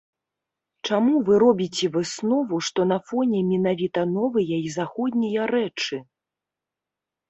Чаму вы робіце выснову, што на фоне менавіта новыя і заходнія рэчы?